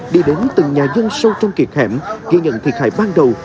đi đến từng nhà dân sâu trong kiệt hẻm ghi nhận thiệt hại ban đầu